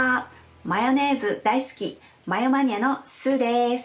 マヨネーズ大好きマヨマニアのスーです！